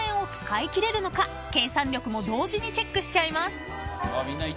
［計算力も同時にチェックしちゃいます］